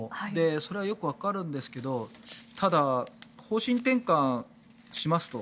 それはよくわかるんですがただ、方針転換しますと。